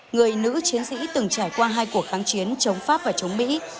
người nữ chiến sĩ từng trải qua hai cuộc kháng chiến chống pháp và chống mỹ